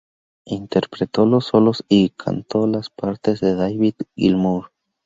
Interpretó los solos y cantó las partes de David Gilmour.